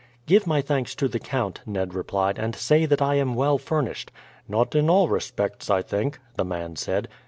"Give my thanks to the count," Ned replied, "and say that I am well furnished." "Not in all respects, I think," the man said.